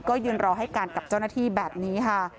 ก็ยืนรอให้การกับเจ้าหน้าที่แบบนี้ค่ะ